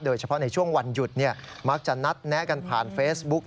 โดยเฉพาะในช่วงวันหยุดมักจะนัดแนะกันผ่านเฟซบุ๊ก